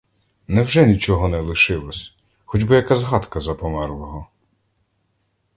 Невже нічого не лишилось, хоч би як згадка за померлого?